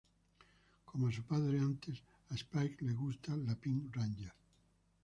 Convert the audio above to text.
Como a su padre antes, a Spike le gusta la Pink Ranger.